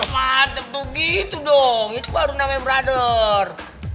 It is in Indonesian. matep tuh gitu dong itu baru namanya brother